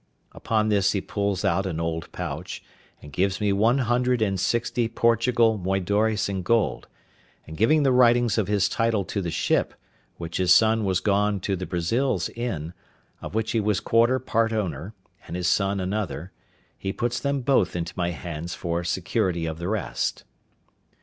Upon this he pulls out an old pouch, and gives me one hundred and sixty Portugal moidores in gold; and giving the writings of his title to the ship, which his son was gone to the Brazils in, of which he was quarter part owner, and his son another, he puts them both into my hands for security of the rest.